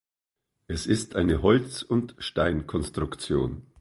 Es ist eine Holz- und Stein-Konstruktion.